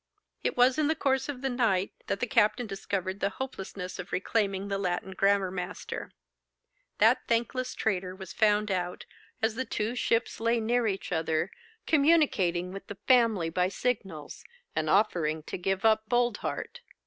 It was in the course of the night that the captain discovered the hopelessness of reclaiming the Latin grammar master. That thankless traitor was found out, as the two ships lay near each other, communicating with 'The Family' by signals, and offering to give up Boldheart.